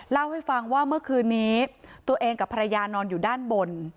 เล่าให้ฟังว่าเมื่อคืนนี้ตัวเองกับภรรยานอนอยู่ด้านบน